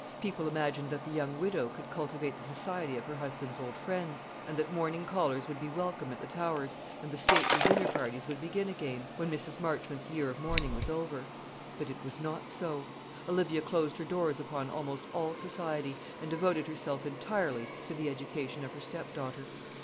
People imagined that the young widow would cultivate the society of her husband's old friends, and that morning callers would be welcome at the Towers, and the stately dinner parties would begin again, when Mrs. Marchmont's year of mourning was over. But it was not so; Olivia closed her doors upon almost all society, and devoted herself entirely to the education of her stepdaughter.